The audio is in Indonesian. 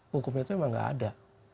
hukum itu memang tidak ada